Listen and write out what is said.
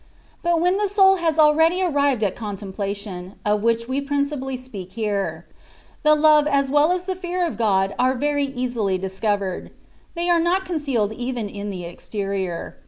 But when the soul has already arrived at contemplation (of which we principally speak here), the love as well as the fear of God are very easily discovered; they are not concealed even in the exterior.